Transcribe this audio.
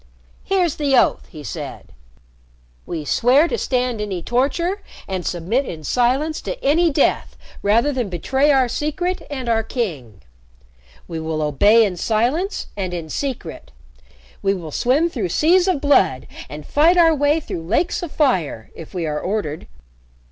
"Here's the oath," he said. "We swear to stand any torture and submit in silence to any death rather than betray our secret and our king. We will obey in silence and in secret. We will swim through seas of blood and fight our way through lakes of fire, if we are ordered.